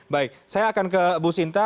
baik saya akan ke bu sinta